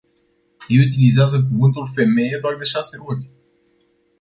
Ei utilizează cuvântul "femeie” doar de șase ori.